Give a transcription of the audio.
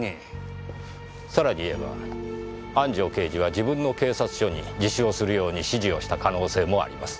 さらに言えば安城刑事は自分の警察署に自主をするように指示をした可能性もあります。